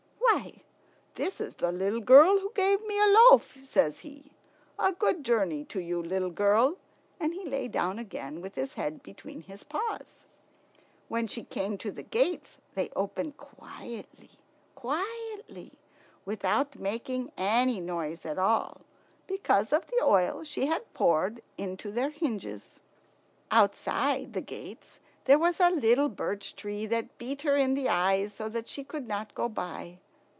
"Why, this is the little girl who gave me the loaf," says he. "A good journey to you, little girl;" and he lay down again with his head between his paws. When she came to the gates they opened quietly, quietly, without making any noise at all, because of the oil she had poured into their hinges. Outside the gates there was a little birch tree that beat her in the eyes so that she could not go by.